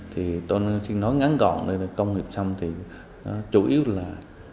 thì tôi xin nói ngắn gọn công nghiệp sâm thì chủ yếu là